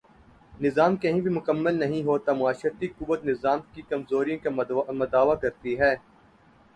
نظام کہیں بھی مکمل نہیں ہوتا معاشرتی قوت نظام کی کمزوریوں کا مداوا کرتی ہے۔